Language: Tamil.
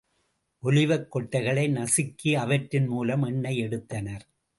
ஒலிவக் கொட்டைகளை நசுக்கி அவற்றின் மூலம் எண்ணெய் எடுத்தனர்.